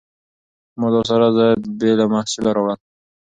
ما دا سره زر بې له محصوله راوړل.